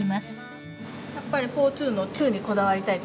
やっぱりフォーツーのツーにこだわりたいとこがね。